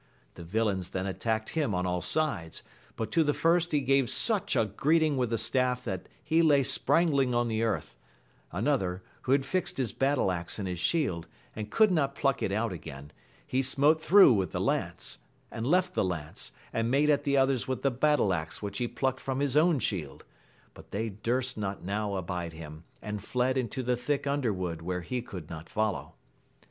The villains then attacked him on all sides, but to the first he gave sueb a gT^^\^xi^\)S^\2i^^ 78 AMADIS OF GAUL staflf that he lay sprangling on the earth; another^ who had fixed his battle axe in his shield and could not pluck it out again, he smote through with the lance, and left the lance, and made at the others with the battle axe which he plucked from his own shield ; but they durst not now abide him, and fled into the thick underwood where he could not follow.